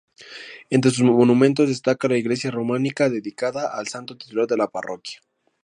Entre sus monumentos, destaca la iglesia románica dedicada al santo titular de la parroquia.